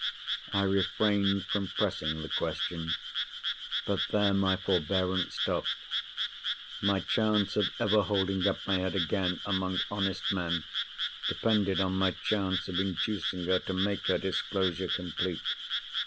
I refrained from pressing the question. But there my forbearance stopped. My chance of ever holding up my head again among honest men depended on my chance of inducing her to make her disclosure complete.